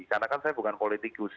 karena kan saya bukan politikus